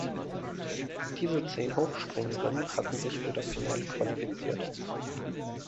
Diese zehn Hochspringerinnen hatten sich für das Finale qualifiziert.